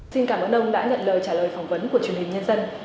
xin cảm ơn ông đã nhận lời trả lời phỏng vấn của truyền hình nhân dân